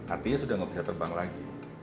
artinya sudah tidak bisa terbang lagi